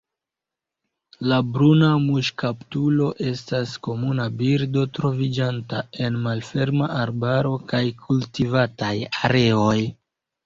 La Bruna muŝkaptulo estas komuna birdo troviĝanta en malferma arbaro kaj kultivataj areoj.